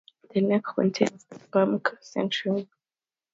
The neck contains the sperm centriole.